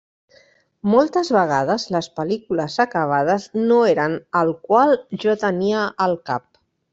Moltes vegades les pel·lícules acabades no eren el qual jo tenia al cap.